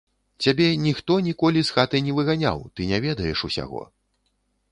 Цябе ніхто ніколі з хаты не выганяў, ты не ведаеш усяго.